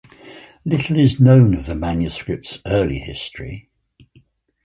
Little is known of the manuscript's early history.